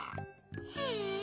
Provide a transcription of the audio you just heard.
へえ。